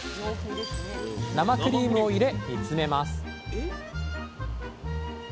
生クリームを入れ煮詰めます